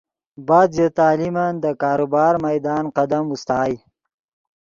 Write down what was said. بعد ژے تعلیمن دے کاروبار میدان قدم اوستائے